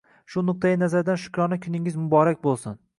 Shu nuqtai nazardan, Shukrona kuningiz muborak boʻlsin